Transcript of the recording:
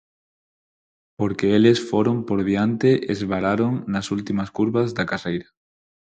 Porque eles foron por diante e esvararon nas últimas curvas da carreira.